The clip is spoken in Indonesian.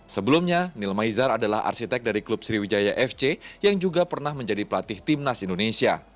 sebelumnya nil maizar adalah arsitek dari klub sriwijaya fc yang juga pernah menjadi pelatih timnas indonesia